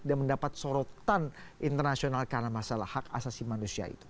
dan mendapat sorotan internasional karena masalah hak asasi manusia itu